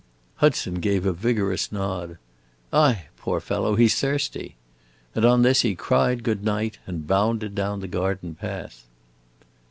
Hudson gave a vigorous nod. "Aye, poor fellow, he 's thirsty!" And on this he cried good night, and bounded down the garden path.